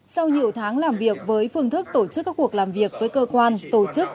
sau nhiều tháng làm việc với phương thức tổ chức các cuộc làm việc với cơ quan tổ chức